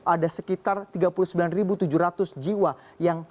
ada sekitar tiga puluh sembilan tujuh ratus jiwa